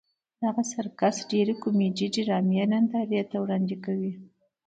دغه سرکس ډېرې کومیډي ډرامې نندارې ته وړاندې کوي.